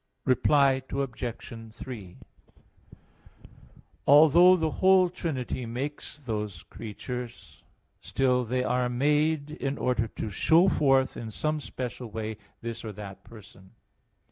Reply Obj. 3: Although the whole Trinity makes those creatures, still they are made in order to show forth in some special way this or that person.